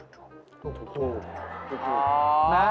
จุ๊บ